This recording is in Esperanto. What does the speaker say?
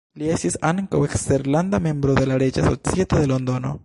Li estis ankaŭ eskterlanda membro de la Reĝa Societo de Londono.